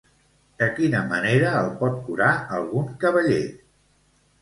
De quina manera el pot curar algun cavaller?